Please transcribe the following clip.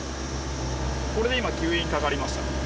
これで今吸引かかりました。